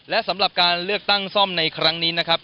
และสำหรับการเลือกตั้งซ่อมในครั้งนี้นะครับ